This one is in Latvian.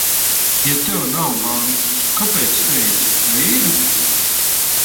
Ja tev nav mantas, kāpēc teici, ka ir?